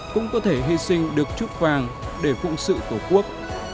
cũng có thể hy sinh được chúc vàng để phụ sự của quốc